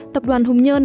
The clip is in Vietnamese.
tập đoàn hùng nhơn